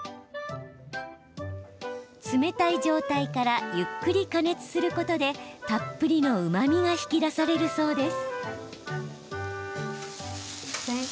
冷たい状態からゆっくり加熱することでたっぷりのうまみが引き出されるそうです。